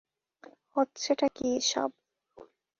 হচ্ছেটা কী এসব?